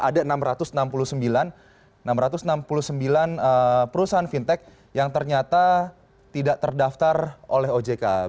ada enam ratus enam puluh sembilan perusahaan fintech yang ternyata tidak terdaftar oleh ojk